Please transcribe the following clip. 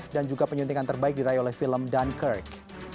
dan juga penyuntingan terbaik dirayu oleh film dunkirk